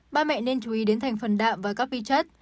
ba mẹ nên chú ý đến thành phần đạm và các vi chất